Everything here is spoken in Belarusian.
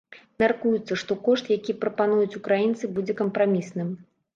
Мяркуецца, што кошт, які прапануюць украінцы, будзе кампрамісным.